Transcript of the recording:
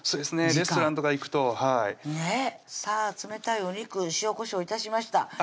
レストランとか行くとさぁ冷たいお肉塩・こしょう致しました